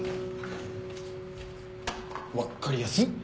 分っかりやすっ。